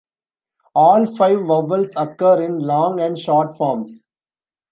All five vowels occur in long and short forms.